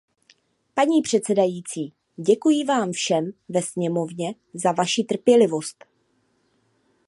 Paní předsedající, děkuji vám všem ve sněmovně za vaši trpělivost.